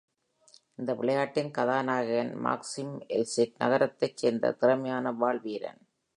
இந்த விளையாட்டின் கதாநாயகன் மாக்சிம் எல்சிட் நகரத்தைச் சேர்ந்த திறமையான வாள்வீரன்.